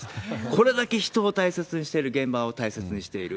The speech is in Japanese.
これだけ人を大切にしてる、現場を大切にしている。